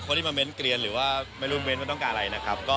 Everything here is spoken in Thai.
ไปมัมเม้นท์เกรียญหรือว่าไม่รู้มัมเม้นท์ก็ต้องการอะไรนะครับ